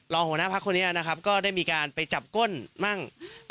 หัวหน้าพักคนนี้นะครับก็ได้มีการไปจับก้นมั่ง